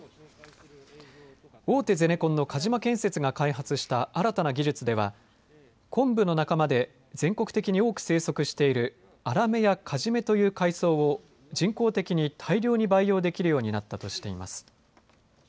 大手ゼネコンの鹿島建設が開発した新たな技術ではコンブの仲間で全国的に多く生息しているアラメやカジメという海藻を人工的に大量に培養できるようになったとしています。